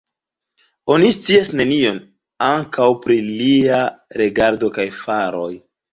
Oni scias nenion ankaŭ pri lia regado kaj faroj.